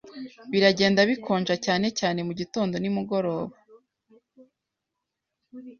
Biragenda bikonja, cyane cyane mugitondo nimugoroba.